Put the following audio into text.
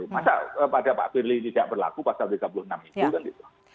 masa pada pak firly tidak berlaku pasal tiga puluh enam itu kan gitu